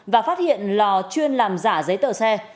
và phát hiện lò chuyên làm giả giấy tờ xe